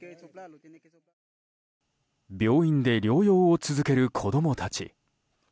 病院で療養を続ける子供たち。